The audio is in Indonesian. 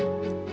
gak ada apa